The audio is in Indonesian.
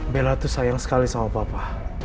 bella itu sayang sekali sama papa